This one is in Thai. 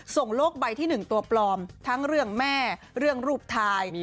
โลกใบที่๑ตัวปลอมทั้งเรื่องแม่เรื่องรูปถ่าย